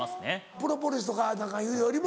プロポリスとか何かいうよりも。